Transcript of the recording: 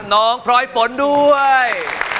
น้องพรอยฝนด้วย